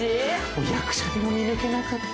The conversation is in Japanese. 役者でも見抜けなかった。